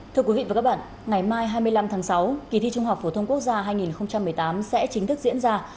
thưa quý vị và các bạn ngày mai hai mươi năm tháng sáu kỳ thi trung học phổ thông quốc gia hai nghìn một mươi tám sẽ chính thức diễn ra